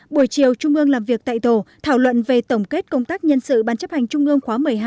buổi chiều trung ương làm việc tại tổ thảo luận về tổng kết công tác nhân sự ban chấp hành trung ương khóa một mươi hai